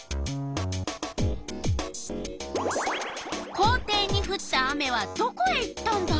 校庭にふった雨はどこへ行ったんだろう？